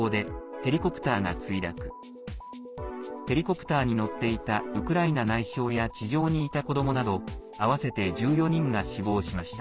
ヘリコプターに乗っていたウクライナ内相や地上にいた子どもなど合わせて１４人が死亡しました。